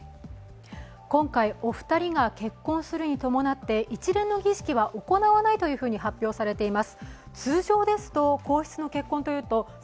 今回、お二人が結婚するに伴って一連の儀式は行わないと発表されています。